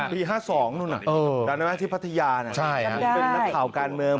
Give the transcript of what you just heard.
ปี๕๒นู้นน่ะดังนั้นที่พัทยาเป็นนักข่าวการเมือง